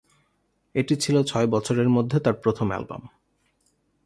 এটি ছিল ছয় বছরের মধ্যে তার প্রথম অ্যালবাম।